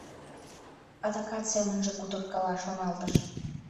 «Адакат семынже кутыркала», — шоналтыш.